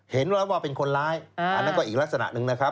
เห็นว่าเป็นคนร้ายอันนั้นก็อีกลักษณะหนึ่งนะครับ